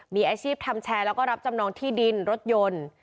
มีอาชีพทำแชร์แล้วก็รับจำนองที่ดินรถยนต์